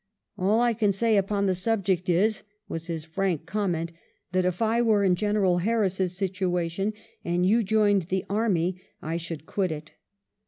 " All I can say upon the subject is," was his frank comment^ " that if I were in General Harris's situation and you joined the army, I should quit it."